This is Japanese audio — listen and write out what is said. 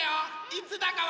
いつだかわ。